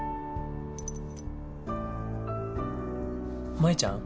舞ちゃん。